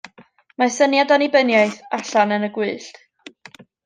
Mae syniad Annibyniaeth allan yn y gwyllt.